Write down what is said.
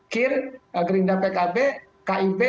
kir gerindang pkb kip